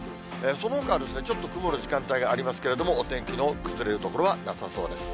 そのほかはちょっと曇る時間帯がありますけれども、お天気の崩れる所はなさそうです。